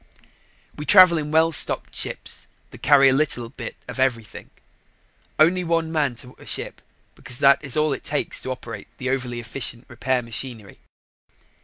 We travel in well stocked ships that carry a little bit of everything; only one man to a ship because that is all it takes to operate the overly efficient repair machinery.